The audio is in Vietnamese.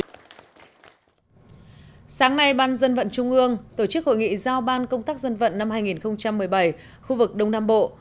sáng nay ban dân vận trung ương tổ chức hội nghị giao ban công tác dân vận năm hai nghìn một mươi bảy khu vực đông nam bộ